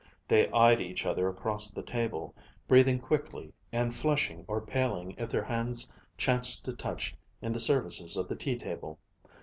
They eyed each other across the table, breathing quickly, and flushing or paling if their hands chanced to touch in the services of the tea table.